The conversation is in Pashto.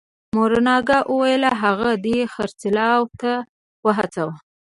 مورګان وويل که هغه دې خرڅلاو ته وهڅاوه.